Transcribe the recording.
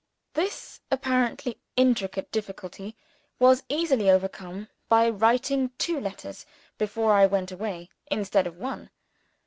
This apparently intricate difficulty was easily overcome, by writing two letters (before I went away) instead of one.